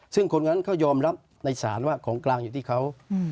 ซึ่งคนนั้นเขายอมรับในศาลว่าของกลางอยู่ที่เขา